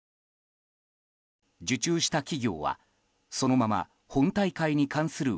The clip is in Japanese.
受注した企業はそのまま本大会に関する